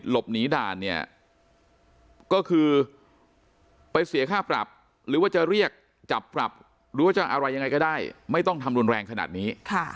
เรียกจับปรับหรือว่าจะอะไรอย่างไรก็ได้ไม่ต้องทำรุนแรงขนาดนี้